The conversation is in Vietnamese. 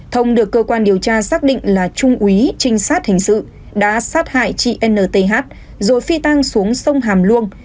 thông được cơ quan điều tra xác định là trung úy trinh sát hình sự đã sát hại chị nth rồi phi tăng xuống sông hàm luông